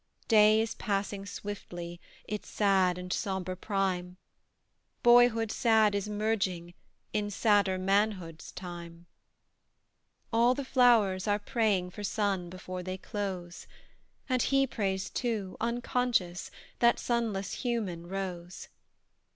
Day is passing swiftly Its sad and sombre prime; Boyhood sad is merging In sadder manhood's time: All the flowers are praying For sun, before they close, And he prays too unconscious That sunless human rose.